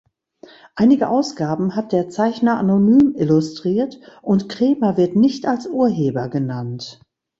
Einige Ausgaben hat der Zeichner anonym illustriert und Kremer wird nicht als Urheber genannt.